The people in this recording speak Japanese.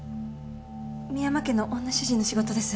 深山家の女主人の仕事です。